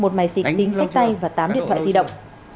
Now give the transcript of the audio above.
một máy xích tính sách tay và tám điện thoại di động